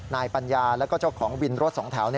ปัญญาแล้วก็เจ้าของวินรถสองแถว